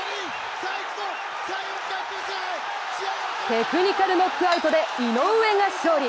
テクニカルノックアウトで井上が勝利。